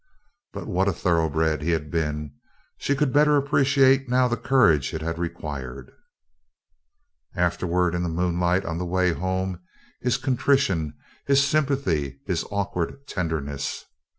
But what a thoroughbred he had been! She could better appreciate now the courage it had required. Afterward in the moonlight on the way home his contrition, his sympathy, his awkward tenderness.